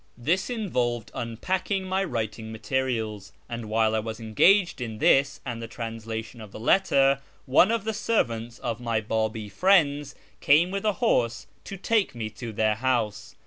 This involved unpacking my writing materials, and while I was engaged in this and the translation of the letter, one of the servants of my Babi friends came with a horse to take me to their house.